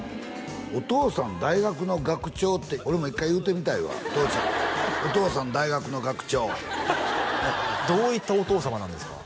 「お父さん大学の学長」って俺も１回言うてみたいわお父ちゃんお父さん大学の学長フフッどういったお父様なんですか？